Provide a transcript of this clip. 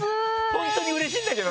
本当にうれしいんだけどね。